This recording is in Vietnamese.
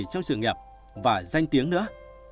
trong sự nghiệp và danh tiếng nữa